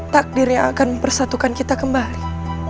takdirnya akan mempersatukan kita kembali